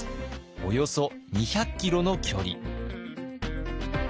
およそ２００キロの距離。